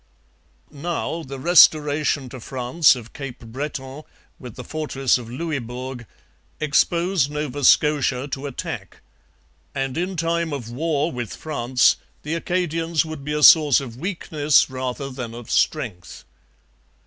Now the restoration to France of Cape Breton with the fortress of Louisbourg exposed Nova Scotia to attack; and in time of war with France the Acadians would be a source of weakness rather than of strength.